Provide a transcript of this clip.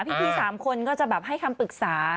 พี่๓คนก็จะแบบให้คำปรึกษา